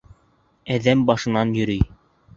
Әҙәм башынан йөрөй.